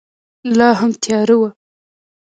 لا هم تیاره وه.